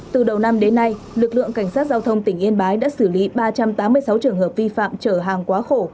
từ đầu năm đến nay lực lượng cảnh sát giao thông tỉnh yên bái đã xử lý ba trăm tám mươi sáu trường hợp vi phạm trở hàng quá khổ